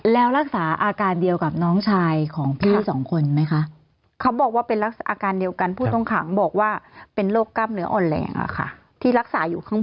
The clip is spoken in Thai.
แล้วรักษาอาการเดียวกับน้องชายของพี่๒คนไหมคะ